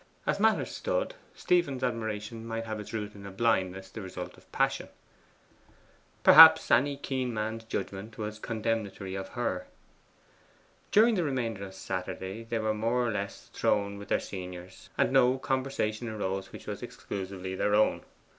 As matters stood, Stephen's admiration might have its root in a blindness the result of passion. Perhaps any keen man's judgment was condemnatory of her. During the remainder of Saturday they were more or less thrown with their seniors, and no conversation arose which was exclusively their own.